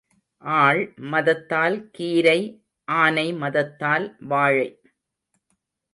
ஆள் மதத்தால் கீரை ஆனை மதத்தால் வாழை.